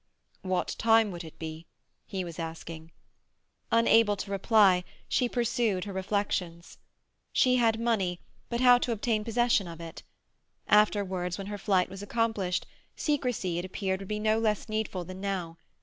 "What time would it be?" he was asking. Unable to reply, she pursued her reflections. She had money, but how to obtain possession of it? Afterwards, when her flight was accomplished, secrecy, it appeared, would be no less needful than now.